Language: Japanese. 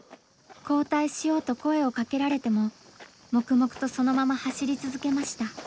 「交代しよう」と声をかけられても黙々とそのまま走り続けました。